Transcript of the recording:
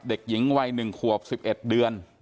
เด็กหญิงวัย๑ขวบ๑๑เดือน